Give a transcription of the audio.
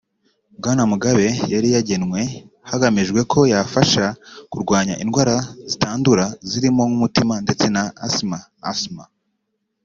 Bwana Mugabe yari yagenwe hagamijwe ko yafasha kurwanya indwara zitandura zirimo nk’umutima ndetse na asima [asthma]